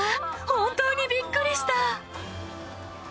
本当にびっくりした。